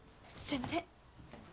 すいません